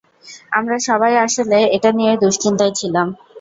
আমরা সবাই আসলে এটা নিয়ে দুঃশ্চিন্তায় ছিলাম।